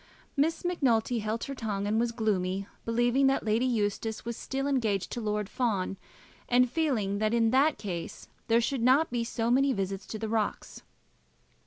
Miss Macnulty held her tongue and was gloomy, believing that Lady Eustace was still engaged to Lord Fawn, and feeling that in that case there should not be so many visits to the rocks.